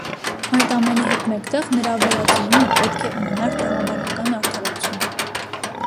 Այդ ամենի հետ մեկտեղ նրա «վերածնումը» պետք է ունենար տրամաբանական արդարացում։